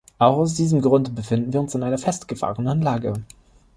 Auch aus diesem Grunde befinden wir uns in einer festgefahrenen Lage.